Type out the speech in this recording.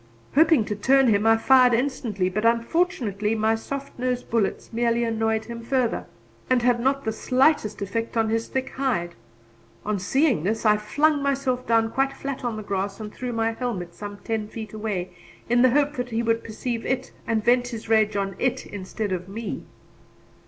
Hoping to turn him, I fired instantly; but unfortunately my soft nosed bullets merely annoyed him further, and had not the slightest effect on his thick hide. On seeing this, I flung myself down quite flat on the grass and threw my helmet some ten feet away in the hope that he would perceive it and vent his rage on it instead of me.